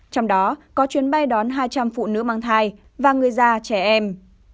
trong đó có chuyến bay đón hai trăm linh phụ nữ mang thai và người già trẻ em